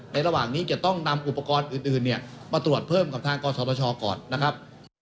ระหว่างนี้จะต้องนำอุปกรณ์อื่นเนี่ยมาตรวจเพิ่มกับทางกศชก่อนนะครับ